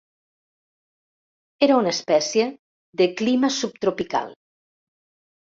Era una espècie de clima subtropical.